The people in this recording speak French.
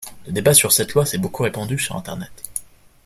Le débat sur cette loi s'est beaucoup répandu sur internet.